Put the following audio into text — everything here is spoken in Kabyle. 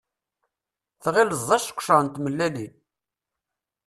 Tɣileḍ d seqcer n tmellalin.